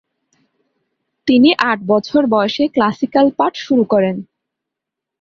তিনি আট বছর বয়সে ক্লাসিকাল পাঠ শুরু করেন।